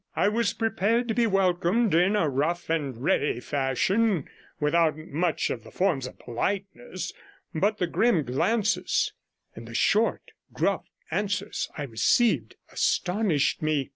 I was prepared to be welcomed in a rough and ready fashion, without much of the forms of politeness, but the grim glances and the short, gruff answers I received astonished me.